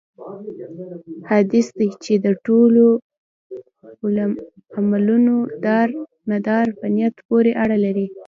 حديث دی چې: د ټولو عملونو دار مدار په نيت پوري اړه لري